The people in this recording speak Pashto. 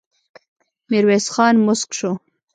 ميرويس خان موسک شو.